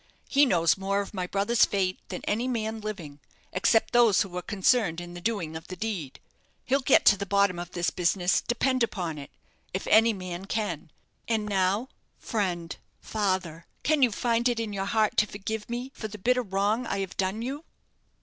He knows more of my brother's fate than any man living, except those who were concerned in the doing of the deed. He'll get to the bottom of this business, depend upon it, if any man can. And now, friend father, can you find it in your heart to forgive me for the bitter wrong I have done you?"